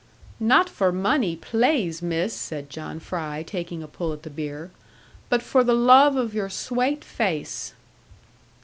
'Not for money, plaize, miss,' said John Fry, taking a pull at the beer; 'but for the love of your swate face.'